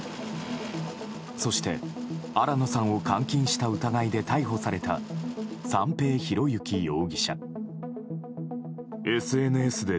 そして新野さんを監禁した疑いで逮捕された、三瓶博幸容疑者。